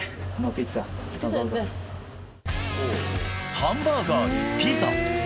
ハンバーガーにピザ。